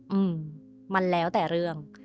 อืมมันแล้วแต่เรื่อง